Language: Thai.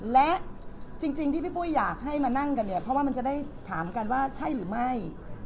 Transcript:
และจริงที่พี่ปุ้ยอยากให้มานั่งกันเนี่ยเพราะว่ามันจะได้ถามกันว่าใช่หรือไม่